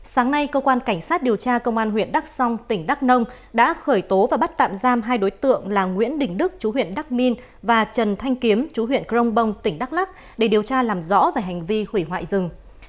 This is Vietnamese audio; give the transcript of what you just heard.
sáng nay cơ quan cảnh sát điều tra công an huyện đắk song tỉnh đắk nông đã khởi tố và bắt tạm giam hai đối tượng là nguyễn đình đức chú huyện đắc minh và trần thanh kiếm chú huyện crong bông tỉnh đắk lắc để điều tra làm rõ về hành vi hủy hoại rừng